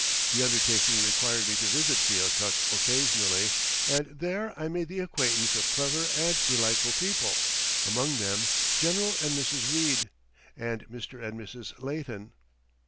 The undertaking required me to visit Keokuk occasionally, and there I made the acquaintance of clever and delightful people, among them General and Mrs. Reid, and Mr. and Mrs. Leighton.